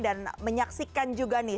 dan menyaksikan juga nih